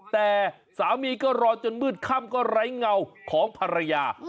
แต่สามีก็รอจนมืดค่ำก็ไร้เงาของภรรยา